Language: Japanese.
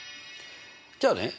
じゃあね